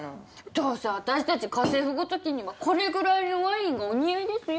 どうせ私たち家政婦ごときにはこれぐらいのワインがお似合いですよ。